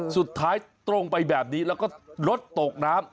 สุดท้ายตรงไปแบบนี้แล้วก็รถตกน้ำ